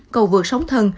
cầu vượt sóng thần